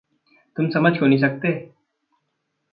तुम समझ क्यों नहीं सकते?